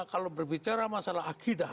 kalau berbicara masalah akhidah